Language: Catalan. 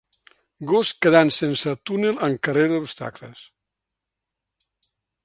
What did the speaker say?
Gos quedant sense túnel en carrera d'obstacles